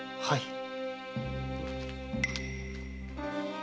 はい。